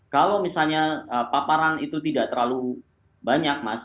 kalau misalnya paparan itu tidak terlalu banyak mas